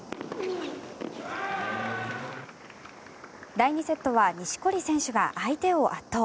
第２セットは錦織選手が相手を圧倒。